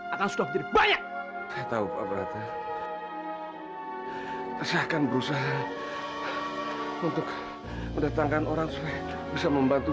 akan sudah banyak tahu pak prata persiakan berusaha untuk mendatangkan orang bisa membantu